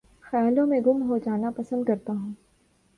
خیالوں میں گم ہو جانا پسند کرتا ہوں